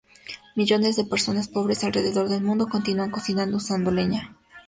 Millones de personas pobres alrededor del mundo continúan cocinando usando leña.